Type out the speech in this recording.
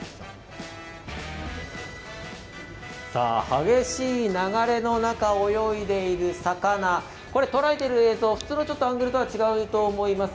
激しい流れの中を泳いでいる魚捉えている映像普通のアングルとはちょっと違うと思います。